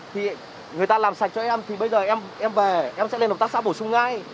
thì người ta làm sạch cho em thì bây giờ em về em sẽ lên hợp tác xã bổ sung ngay